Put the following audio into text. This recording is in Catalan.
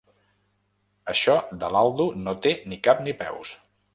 Això de l'Aldo no té ni cap ni peus.